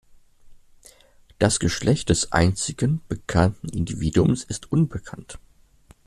Das Geschlecht des einzigen bekannten Individuums ist unbekannt.